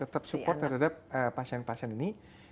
tetap support terhadap pasien pasien ini